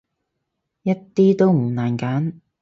一啲都唔難揀